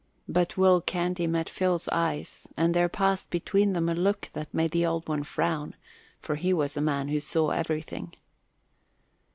But Will Canty met Phil's eyes and there passed between them a look that made the Old One frown, for he was a man who saw everything.